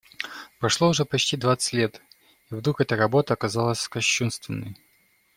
Прошло уже почти двадцать лет, и вдруг эта работа оказалась кощунственной.